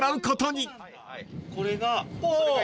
これが。